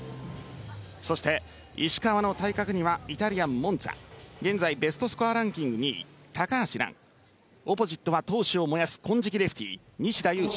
そして、石川の対角にはイタリア・モンツァ現在ベストスコアランキング２位高橋藍オポジットは闘志を燃やす金色レフティー西田有志。